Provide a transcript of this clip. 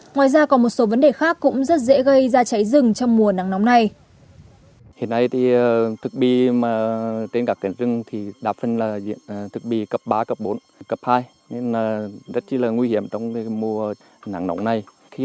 ngoài ra còn một số vấn đề khác cũng rất dễ gây ra cháy rừng trong mùa nắng nóng này